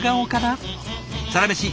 「サラメシ」。